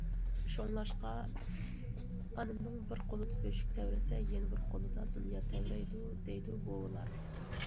شۇڭلاشقا،« ئانىنىڭ بىر قولىدا بۆشۈك تەۋرىسە، يەنە بىر قولىدا دۇنيا تەۋرەيدۇ» دەيدۇ بوۋىلار.